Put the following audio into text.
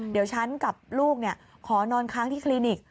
เดี๋ยวฉันกับลูกขอนอนค้างที่คลินิก